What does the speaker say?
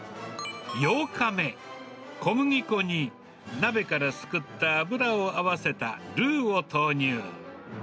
８日目、小麦粉に鍋からすくった脂を合わせたルーを投入。